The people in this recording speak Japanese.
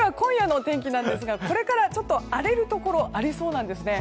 お天気なんですがこれからちょっと荒れるところありそうなんですね。